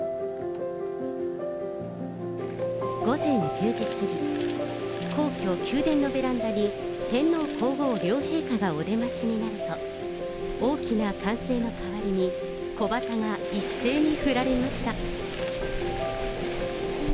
午前１０時過ぎ、皇居・宮殿のベランダに天皇皇后両陛下がお出ましになると、大きな歓声の代わりに、小旗が一斉に振られました。